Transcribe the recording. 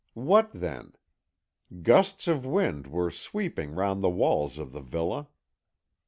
What, then? Gusts of wind were sweeping round the walls of the villa.